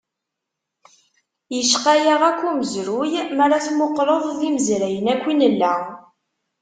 Yecqa-yaɣ akk umezruy, mara tmuqleḍ, d imezrayen akk i nella.